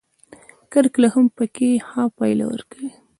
کرکېله هم پکې ښه پایله ورکوي.